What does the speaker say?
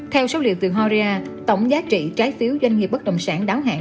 theo số liệu từ horea tổng giá trị trái phiếu doanh nghiệp bất động sản đáo hạn